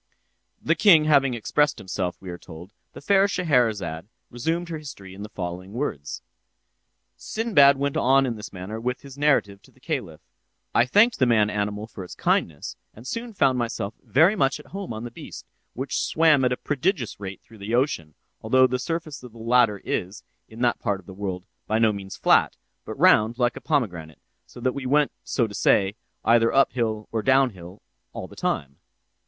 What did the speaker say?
The king having thus expressed himself, we are told, the fair Scheherazade resumed her history in the following words: "Sinbad went on in this manner with his narrative—'I thanked the man animal for its kindness, and soon found myself very much at home on the beast, which swam at a prodigious rate through the ocean; although the surface of the latter is, in that part of the world, by no means flat, but round like a pomegranate, so that we went—so to say—either up hill or down hill all the time.